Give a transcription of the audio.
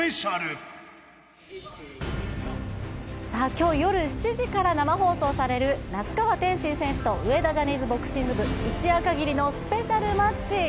今日、夜７時から生放送される那須川天心選手と上田ジャニーズボクシング部一夜限りのスペシャルマッチ。